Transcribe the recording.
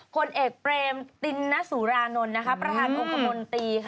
ผลเอกเตรมติณสุรานนท์ประธานบุคคมตี